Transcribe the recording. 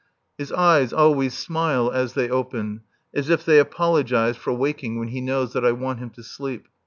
His eyes always smile as they open, as if he apologized for waking when he knows that I want him to sleep.